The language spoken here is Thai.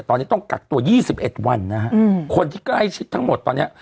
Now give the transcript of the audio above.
ตอนนี้ต้องกักตัว๒๑วันนะฮะคนที่ใกล้ชิดทั้งหมดตอนนี้